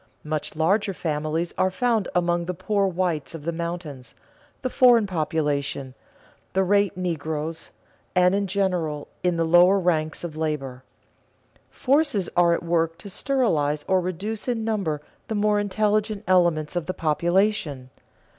Much larger families are found among the poor whites of the mountains, the foreign population, the rate negroes, and, in general, in the lower ranks of labor. Forces are at work to sterilize or reduce in number the more intelligent elements of the population.